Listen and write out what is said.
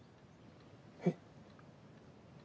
えっ？